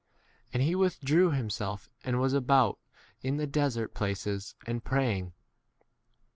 And he withdrew 1 " himself, and was about in the desert [places] and praying.